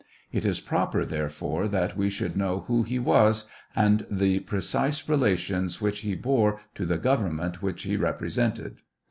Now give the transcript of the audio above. It is proper, therefore, that we should know who he was, and the precise rela tions which he bore to the government which he represented.